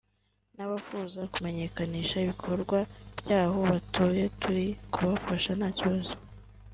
n’abafuza kumenyekanisha ibikorwa by’aho batuye turi kubafasha nta kibazo